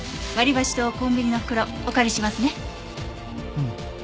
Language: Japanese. うん。